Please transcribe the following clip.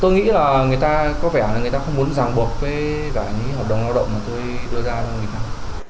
tôi nghĩ là người ta có vẻ là người ta không muốn ràng buộc với cả những hợp đồng lao động mà tôi đưa ra cho người khác